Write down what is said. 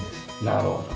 なるほど。